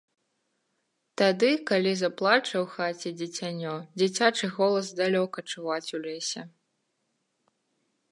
Тады, калі заплача ў хаце дзіцянё, дзіцячы голас далёка чуваць у лесе.